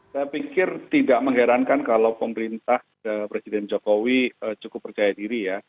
saya pikir tidak mengherankan kalau pemerintah presiden jokowi cukup percaya diri ya